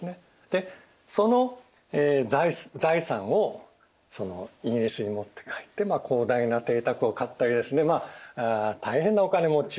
でその財産をイギリスに持って帰って広大な邸宅を買ったりですねまあ大変なお金持ち